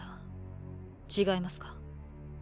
違いますか？